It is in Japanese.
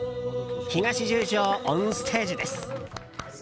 東十条オンステージです。